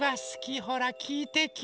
ほらきいてきいて！